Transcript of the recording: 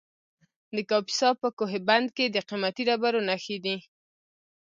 د کاپیسا په کوه بند کې د قیمتي ډبرو نښې دي.